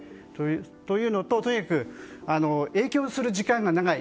というのととにかく影響する時間が長い